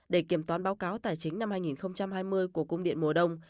để kiểm toán báo cáo tài chính năm hai nghìn hai mươi của cung điện mùa đông